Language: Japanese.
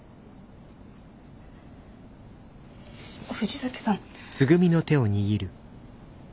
藤崎さん。